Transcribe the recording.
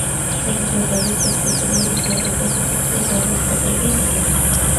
Senators are listed by seniority, and Representatives are listed by district.